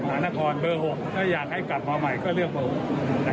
การหาเสียงจะเป็นอย่างไรจะยากมาทำเวลานั้นหรือเป็นคราวหน้า